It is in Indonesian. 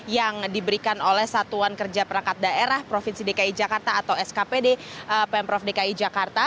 yang diberikan oleh satuan kerja perangkat daerah provinsi dki jakarta atau skpd pemprov dki jakarta